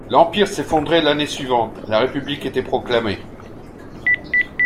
L’empire s’effondrait l’année suivante, la République était proclamée.